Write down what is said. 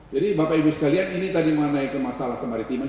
jadi bapak ibu sekalian ini tadi mengenai kemasalah kemaritiman